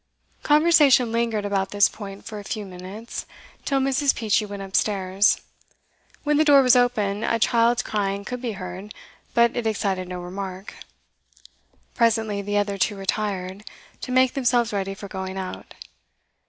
Conversation lingered about this point for a few minutes, till Mrs. Peachey went upstairs. When the door was open, a child's crying could be heard, but it excited no remark. Presently the other two retired, to make themselves ready for going out.